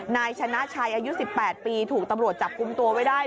นายชนะชัยอายุ๑๘ปีถูกตำรวจจับกลุ่มตัวไว้ได้